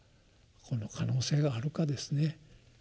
この可能性があるかですね。